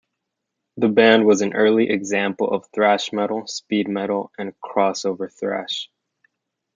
The band was an early example of thrash metal, speed metal and crossover thrash.